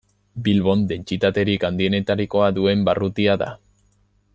Bilbon dentsitaterik handienetarikoa duen barrutia da.